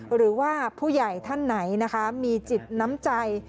หรือว่าผู้ใหญ่ท่านไหนนะคะมีจิตน้ำใจ